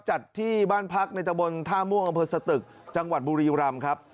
จัดที่บ้านพักในตะบนท่าม่วงอำเภอสตึกจังหวัดบุรีรำครับ